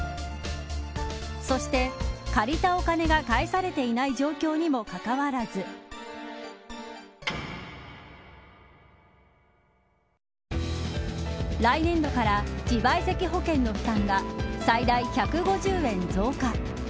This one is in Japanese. そして借りたお金が返されていない状況にもかかわらず来年度から、自賠責保険の負担が最大１５０円増加。